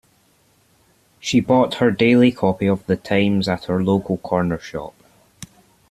She bought her daily copy of The Times at her local corner shop